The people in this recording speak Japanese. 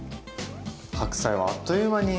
白菜はあっという間に。